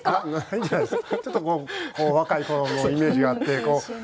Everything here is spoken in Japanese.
ちょっとこう若い頃のイメージがあって。